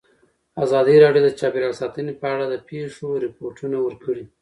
ازادي راډیو د چاپیریال ساتنه په اړه د پېښو رپوټونه ورکړي.